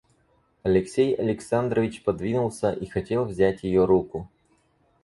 Алексей Александрович подвинулся и хотел взять ее руку.